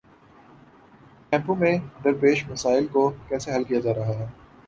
کیمپوں میں درپیش مسائل کو کیسے حل کیا جا رہا ہے؟